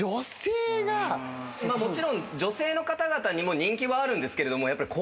もちろん女性の方々にも人気はあるんですけれどもやっぱり。